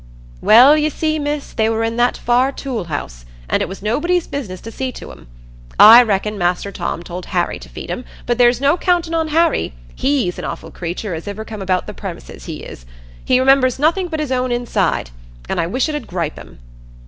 "Well, you see, Miss, they were in that far tool house, an' it was nobody's business to see to 'em. I reckon Master Tom told Harry to feed 'em, but there's no countin' on Harry; he's a offal creatur as iver come about the primises, he is. He remembers nothing but his own inside—an' I wish it 'ud gripe him."